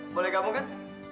boleh kamu kan